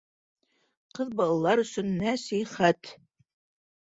ҠЫҘ БАЛАЛАР ӨСӨН НӘСИХӘТ